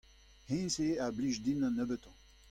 hennezh eo a blij din an nebeutañ.